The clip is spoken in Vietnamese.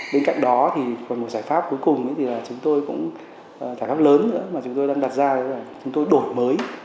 bên cạnh đó thì còn một giải pháp cuối cùng thì là chúng tôi cũng giải pháp lớn nữa mà chúng tôi đang đặt ra là chúng tôi đổi mới